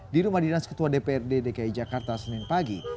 di rumah dinas ketua dprd dki jakarta senin pagi